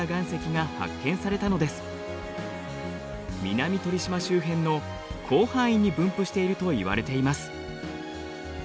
南鳥島周辺の広範囲に分布しているといわれています。